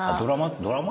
ドラマ？